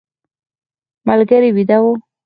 ملګري ویده و.